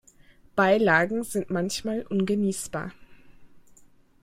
Beilagen sind manchmal ungenießbar.